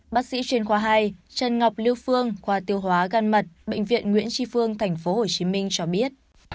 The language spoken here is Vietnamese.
bác sĩ chuyên khoa hai trần ngọc lưu phương khoa tiêu hóa gan mật bệnh viện nguyễn tri phương tp hcm cho biết